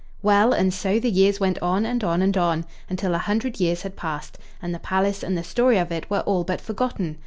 Well, and so the years went on, and on, and on, until a hundred years had passed, and the palace and the story of it were all but forgotten.